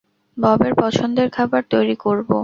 ববের পছন্দের খাবার তৈরি করব।